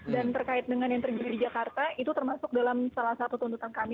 dan terkait dengan yang terjadi di jakarta itu termasuk dalam salah satu tuntutan kami